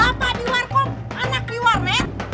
anak di luar net